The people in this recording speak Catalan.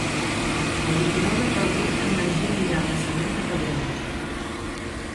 El vint-i-nou de febrer en Magí anirà a Maçanet de Cabrenys.